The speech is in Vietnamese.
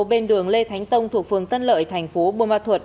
bên đường lê thánh tông thuộc phường tân lợi thành phố bumathut